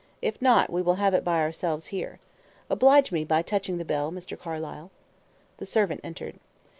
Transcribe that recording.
If not, we will have it by ourselves here. Oblige me by touching the bell, Mr. Carlyle." The servant entered.